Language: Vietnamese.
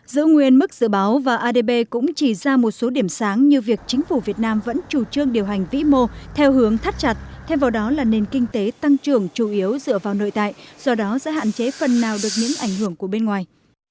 giữ nguyên mức dự báo và adb cũng chỉ ra một số điểm sáng như việc chính phủ việt nam vẫn chủ trương điều hành vĩ mô theo hướng thắt chặt thêm vào đó là nền kinh tế tăng trưởng chủ yếu dựa vào nội tại do đó sẽ hạn chế phần nào được những ảnh hưởng của bên ngoài